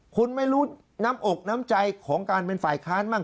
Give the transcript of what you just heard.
คุณไม่รู้น้ำอกน้ำใจของการเป็นฝ่ายค้านบ้าง